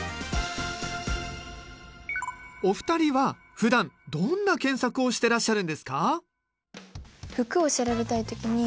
お二人はふだんどんな検索をしてらっしゃるんですか？